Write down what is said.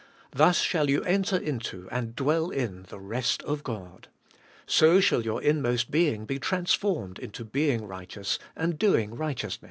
Thus shall you enter into, and dwell in, the rest of God. So shall your inmost being be transformed into being righteous and doing righteousness.